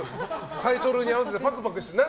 タイトルに合わせてぱくぱくしてる。